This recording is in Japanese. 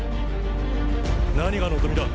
何が望みだ？